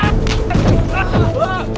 udah pak gausah pak